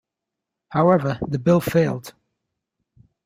However, the bill failed.